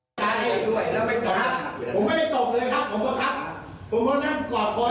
แล้วตายจะไม่มีเครื่องแบบอยู่ในรถแฟน